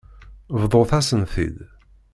Bḍut-asen-t-id.